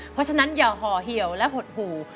เพราะฉะนั้นอย่าห่อเหี่ยวและหดหู่